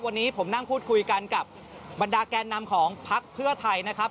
วันนี้ผมนั่งพูดคุยกันกับบรรดาแกนนำของพักเพื่อไทยนะครับ